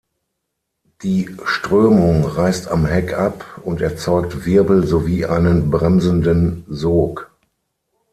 Die Strömung reißt am Heck ab und erzeugt Wirbel sowie einen bremsenden Sog.